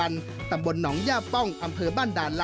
ครับ